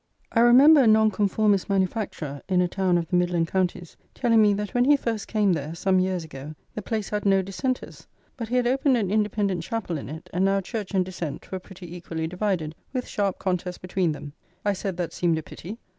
I remember a Nonconformist manufacturer, in a town of the Midland counties, telling me that when he first came there, some years ago, the place had no Dissenters; but he had opened an Independent [xxxiii] chapel in it, and now Church and Dissent were pretty equally divided, with sharp contests between them. I said, that seemed a pity.